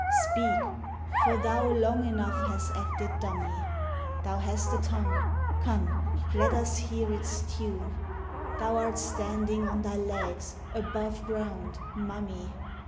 Speak! for thou long enough hast acted dummy ; Thou hast a tongue, — come, Let us hear its tune ; Thou 'rt standing on thy legs, above ground, mum my!